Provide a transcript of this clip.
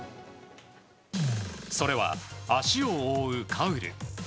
それは、足を覆うカウル。